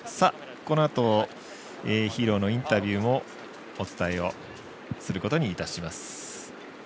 このあとヒーローのインタビューもお伝えをすることにいたします。